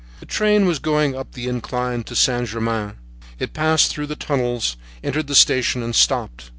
The train was going up the incline to Saint Germain. It passed through the tunnels, entered the station, and stopped.